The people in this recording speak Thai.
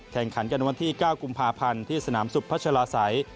แข่งขันกันวันที่๙กุมภาพันธ์ที่สนามสุขพัชลาศัย